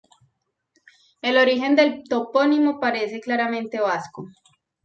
El origen del topónimo parece claramente vasco.